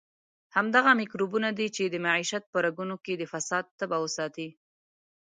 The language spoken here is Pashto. همدغه میکروبونه دي چې د معیشت په رګونو کې د فساد تبه وساتي.